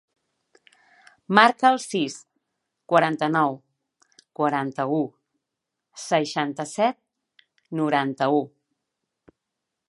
Marca el sis, quaranta-nou, quaranta-u, seixanta-set, noranta-u.